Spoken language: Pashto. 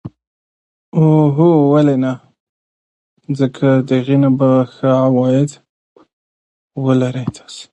ایا شرکت ګټه کوي؟